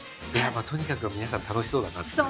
とにかく皆さん楽しそうだなっていう。